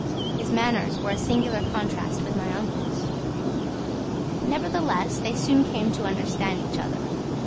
His manners were a singular contrast with my uncle's. Nevertheless, they soon came to understand each other.